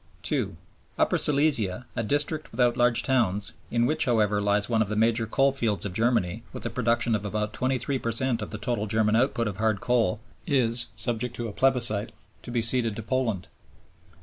(ii.) Upper Silesia, a district without large towns, in which, however, lies one of the major coalfields of Germany with a production of about 23 per cent of the total German output of hard coal, is, subject to a plebiscite, to be ceded to Poland.